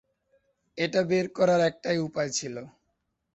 এটা বের করার একটাই উপায় ছিল।